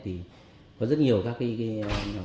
thì có rất nhiều các lĩnh vực